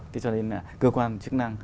thế cho nên là cơ quan chức năng